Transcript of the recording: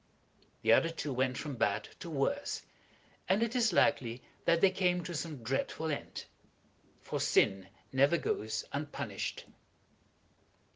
The other two went from bad to worse, and it is likely that they came to some dreadful end. For sin never goes unpunished.